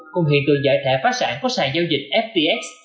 cùng hiện tượng giải thể phá sản có sàn giao dịch ftx